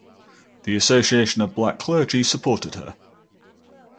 The Association of Black Clergy supported her.